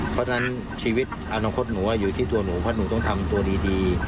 เพราะฉะนั้นชีวิตอนาคตหนูอยู่ที่ตัวหนูเพราะหนูต้องทำตัวดี